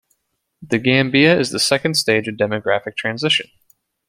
The Gambia is in the second stage of demographic transition.